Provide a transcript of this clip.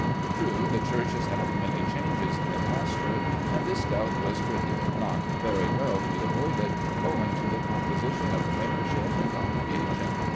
True, the church has had many changes in the pastorate, and this doubtless could not very well be avoided, owing to the composition of the membership and congregation.